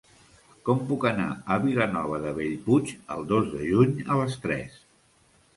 Com puc anar a Vilanova de Bellpuig el dos de juny a les tres?